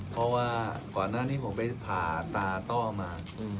เพราะว่าก่อนหน้านี้ผมไปผ่าตาต้อมา